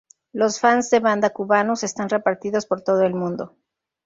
Los fans de banda cubanos están repartidos por todo el mundo.